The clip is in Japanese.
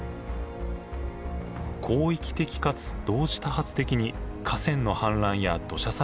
広域的かつ同時多発的に河川の氾濫や土砂災害が発生。